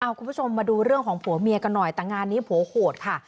คุณผู้ชมมาดูเรื่องของผัวเมียกันหน่อยแต่งานนี้ผัวโหดค่ะ